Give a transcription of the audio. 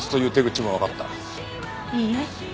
いいえ。